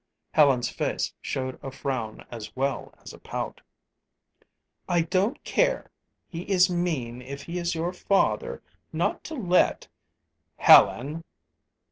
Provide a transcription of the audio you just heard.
Helen's face showed a frown as well as a pout. "I don't care. He is mean, if he is your father, not to let " "Helen!"